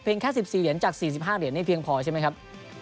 แค่๑๔เหรียญจาก๔๕เหรียญนี่เพียงพอใช่ไหมครับ